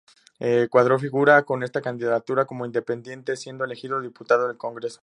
Cuadra figuró en esta candidatura como independiente, siendo elegido Diputado del Congreso.